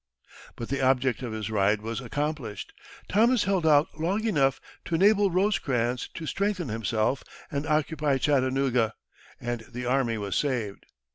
But the object of his ride was accomplished. Thomas held out long enough to enable Rosecrans to strengthen himself and occupy Chattanooga, and the army was saved.